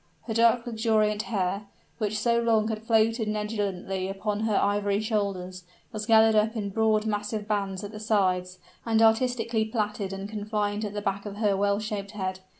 Her dark luxuriant hair, which so long had floated negligently upon her ivory shoulders, was now gathered up in broad massive bands at the sides, and artistically plaited and confined at the back of her well shaped head.